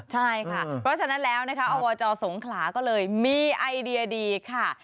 ใช่ค่ะเพราะฉะนั้นแล้วนะคะอวจสงขลาก็เลยมีไอเดียดีค่ะ